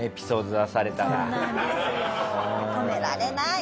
止められない。